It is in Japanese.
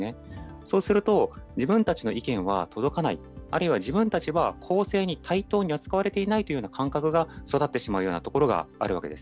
そうすると、自分たちの意見は届かない、あるいは自分たちは公正に対等に扱われていないというような感覚が育ってしまうようなところがあるわけです。